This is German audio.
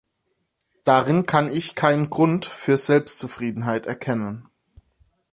Darin kann ich keinen Grund für Selbstzufriedenheit erkennen.